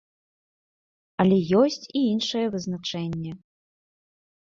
Але ёсць і іншае вызначэнне.